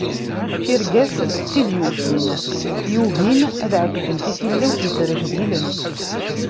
Tirga-s d tid yukin yugin ad ɛekfent i tilawt yettrejdilen.